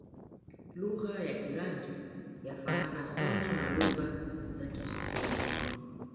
Lugha ya Kirangi yafanana sana na lugha za Kisukuma